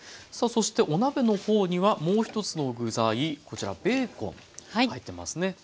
さあそしてお鍋の方にはもう一つの具材こちらベーコン入ってますね。